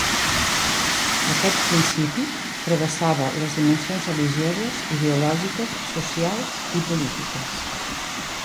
Aquest principi travessava les dimensions religioses, ideològiques, socials i polítiques.